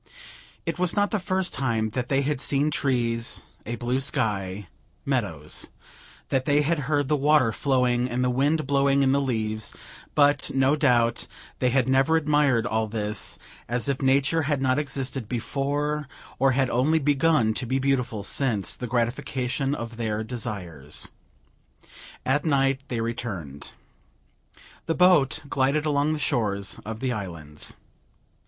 It was not the first time that they had seen trees, a blue sky, meadows; that they had heard the water flowing and the wind blowing in the leaves; but, no doubt, they had never admired all this, as if Nature had not existed before, or had only begun to be beautiful since the gratification of their desires. At night they returned. The boat glided along the shores of the islands.